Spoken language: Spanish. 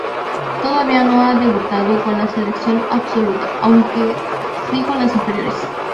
Todavía no ha debutado con la selección absoluta, aunque sí con las inferiores.